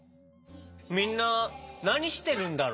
みんななにしてるんだろ？